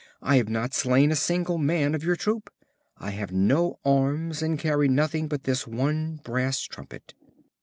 I have not slain a single man of your troop. I have no arms, and carry nothing but this one brass trumpet."